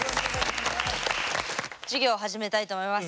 授業始めたいと思います。